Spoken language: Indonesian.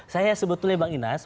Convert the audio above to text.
saya sebetulnya bang inas